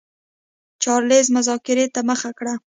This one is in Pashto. چارلېز مذاکرې ته مخه کړه.